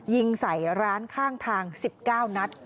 ยิงใส่ร้านข้างทาง๑๙นัด